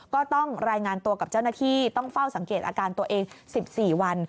ก็ต้องรายงานตัวกับเจ้าหน้าที่ต้องเฝ้าสังเกตอาการตัวเอง๑๔วัน